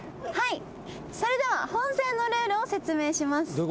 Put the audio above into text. それでは本戦のルールを説明します。